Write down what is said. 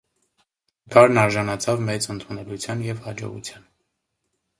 Նկարն արժանացավ մեծ ընդունելության և հաջողության։